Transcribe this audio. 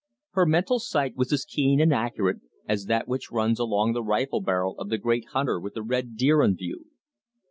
Her mental sight was as keen and accurate as that which runs along the rifle barrel of the great hunter with the red deer in view.